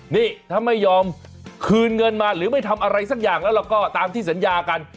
นี่ถ้าไม่ยอมคืนเงินมาหรือไม่ทำอะไรสักอย่างแล้วเราก็ตามที่สัญญากัน